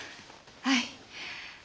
はい。